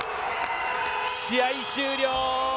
試合終了！